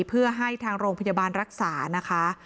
เพื่อให้ทางโรงพยาบาลรักษานะคะ